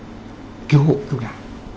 dịch bệnh cứu hộ cứu đại